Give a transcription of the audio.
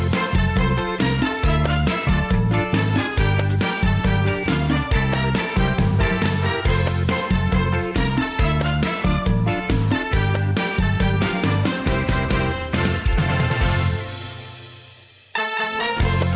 โปรดติดตามตอนต่อไป